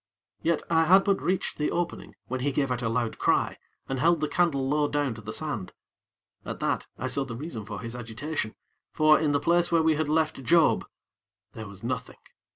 Yet, I had but reached the opening, when he gave out a loud cry, and held the candle low down to the sand. At that, I saw the reason for his agitation, for, in the place where we had left Job, there was nothing.